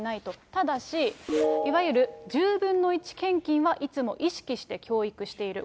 ただし、いわゆる１０分の１献金はいつも意識して教育している。